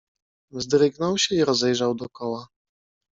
"Wzdrygnął się i rozejrzał dokoła."